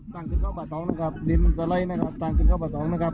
ตั้งจินข้าวปะตองนะครับดินสไลด์นะครับตั้งจินข้าวปะตองนะครับ